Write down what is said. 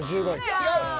違う。